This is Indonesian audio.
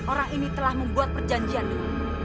orang ini telah membuat perjanjian dulu